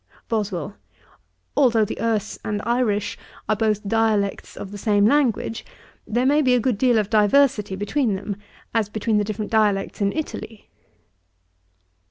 BOSWELL. 'Although the Erse and Irish are both dialects of the same language, there may be a good deal of diversity between them, as between the different dialects in Italy.'